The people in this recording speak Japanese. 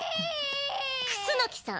楠さん！